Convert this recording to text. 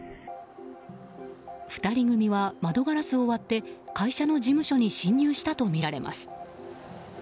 ２人組は窓ガラスを割って会社の事務所に侵入したとみられます。